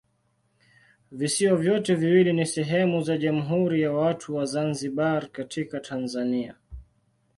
Visiwa vyote viwili ni sehemu za Jamhuri ya Watu wa Zanzibar katika Tanzania.